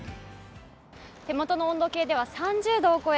手元の温度計では３０度を超え